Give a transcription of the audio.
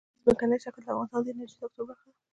ځمکنی شکل د افغانستان د انرژۍ سکتور برخه ده.